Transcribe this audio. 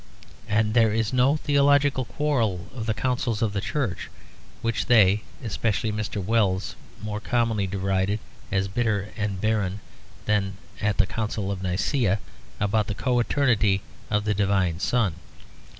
And there is no theological quarrel of the Councils of the Church which they, especially Mr. Wells, more commonly deride as bitter and barren than that at the Council of Nicea about the Co eternity of the Divine Son.